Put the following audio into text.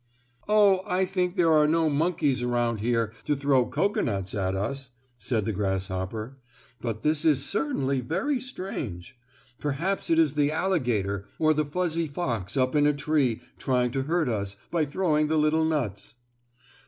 "Oh, I think there are no monkeys around here to throw cocoanuts at us," said the grasshopper, "but this is certainly very strange. Perhaps it is the alligator or the fuzzy fox up in a tree trying to hurt us by throwing the little nuts."